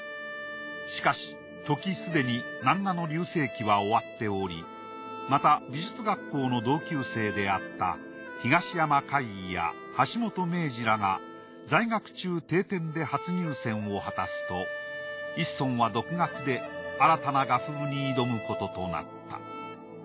しかし時すでに南画の隆盛期は終わっておりまた美術学校の同級生であった東山魁夷や橋本明治らが在学中帝展で初入選を果たすと一村は独学で新たな画風に挑むこととなった。